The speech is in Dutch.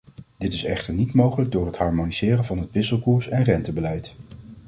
Dit is echter niet mogelijk door het harmoniseren van het wisselkoers- en rentebeleid.